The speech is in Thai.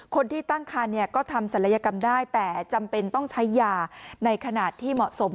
คนที่ตั้งคันก็ทำศัลยกรรมได้แต่จำเป็นต้องใช้ยาในขณะที่เหมาะสม